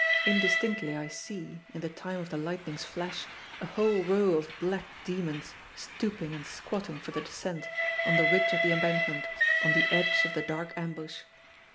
Indistinctly I see in the time of the lightning's flash a whole row of black demons stooping and squatting for the descent, on the ridge of the embankment, on the edge of the dark ambush.